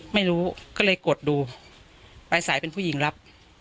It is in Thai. ไม่รู้เลยไม่รู้ก็เลยกดดูรายสายเป็นผู้หญิงรับ